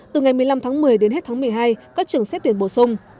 từ ngày một mươi năm tháng một mươi đến hết tháng một mươi hai các trường xét tuyển bổ sung